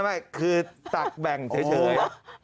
ไม่คือตักแบ่งเฉย